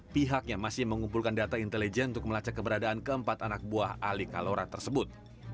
pihaknya masih mengumpulkan data intelijen untuk melacak keberadaan keempat anak buah ali kalora tersebut